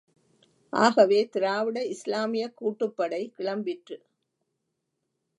ஆகவே திராவிட இஸ்லாமியக் கூட்டுப்படை கிளம்பிற்று.